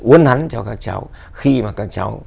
uôn hắn cho các cháu khi mà các cháu